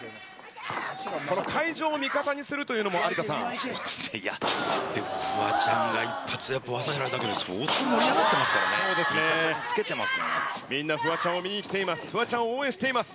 この会場を味方にするというのも、でも、フワちゃんが一発で技入れただけで、相当盛り上がっていますからみんな、フワちゃんを見に来ています、フワちゃんを応援しています。